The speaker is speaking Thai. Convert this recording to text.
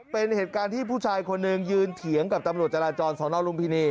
เป็นเหตุการณ์ที่ผู้ชายคนหนึ่งยืนเถียงกับตำรวจจราจรสอนอลุมพินี